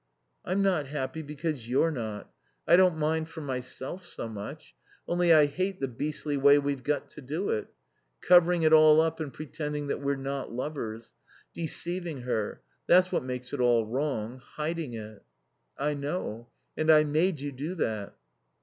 "I'm not happy because you're not. I don't mind for myself so much. Only I hate the beastly way we've got to do it. Covering it all up and pretending that we're not lovers. Deceiving her. That's what makes it all wrong. Hiding it." "I know. And I made you do that."